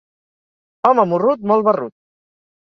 Home morrut, molt barrut.